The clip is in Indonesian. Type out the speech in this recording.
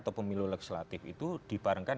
atau pemilu legislatif itu dibarangkan